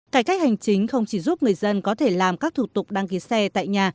cải cách hành chính không chỉ giúp người dân có thể làm các thủ tục đăng ký xe tại nhà